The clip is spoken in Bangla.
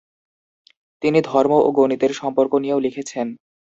তিনি ধর্ম ও গণিতের সম্পর্ক নিয়েও লিখেছেন।